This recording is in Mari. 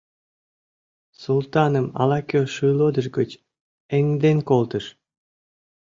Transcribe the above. Султаным ала-кӧ шӱйлодыш гыч эҥден колтыш.